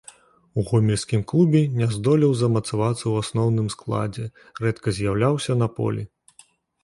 У гомельскім клубе не здолеў замацавацца ў асноўным складзе, рэдка з'яўляўся на полі.